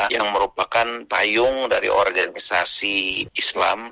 yang merupakan payung dari organisasi islam